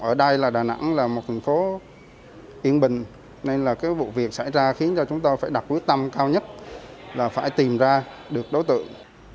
ở đây là đà nẵng là một thành phố yên bình nên là cái vụ việc xảy ra khiến cho chúng tôi phải đặt quyết tâm cao nhất là phải tìm ra được đối tượng